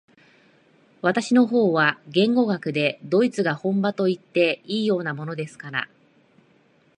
私の方は言語学でドイツが本場といっていいようなものですから、